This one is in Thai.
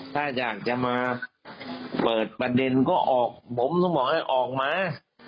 ถ้าอยากจะมาเปิดประเด็นก็ออกผมต้องบอกให้ออกมา